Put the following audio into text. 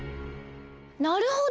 ．なるほど。